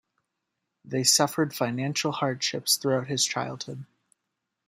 They suffered financial hardships throughout his childhood.